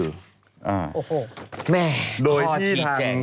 โอ้โฮข้อชีแจงนี้โดยที่ทางคุณปอล์เอง